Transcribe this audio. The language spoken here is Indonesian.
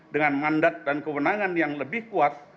dengan mandat dan kewenangan yang lebih kuat